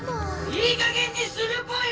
いいかげんにするぽよ！